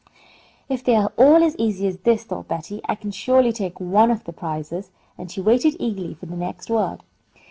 "If they are all as easy as this," thought Betty, "I can surely take one of the prizes," and she waited eagerly for the next word.